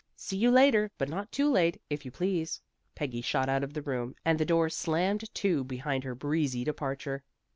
"See you later, but not late, if you please." Peggy shot out of the room, and the door slammed to behind her breezy departure.